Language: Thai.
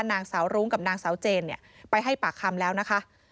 นางสาวรุ้งกับนางสาวเจนไปให้ปากคำแล้วนะคะ